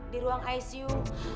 di ruang icu